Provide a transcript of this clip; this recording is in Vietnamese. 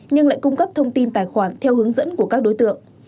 nhưng lại cung cấp thông tin tài khoản theo hướng dẫn của các đối tượng